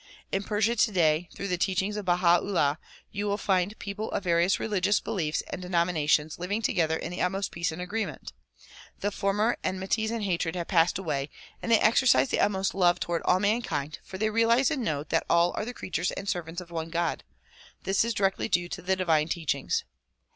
In Persia today through the teachings of Baha 'Ullah you will find people of various religious beliefs and denominations liv ing together in the utmost peace and agreement. The former enmi ties and hatred have passed away and they exercise the utmost love toward all mankind for they realize and know that all are the creatures and servants of one God. This is directly due to the divine teachings.